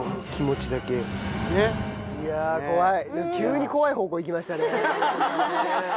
いや怖い！